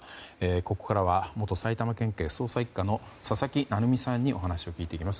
ここからは元埼玉県警捜査１課の佐々木成三さんにお話を聞いていきます。